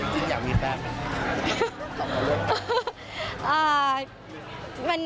จิตอยากมีแป๊บกันค่ะ